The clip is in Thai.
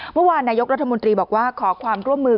เมื่อวานนี้นายกรัฐมนตรีบอกว่าขอความร่วมมือ